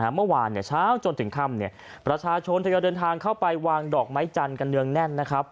เมื่อวานเช้าจนถึงค่ำประชาชนทยอยเดินทางเข้าไปวางดอกไม้จันทร์กันเนืองแน่นนะครับ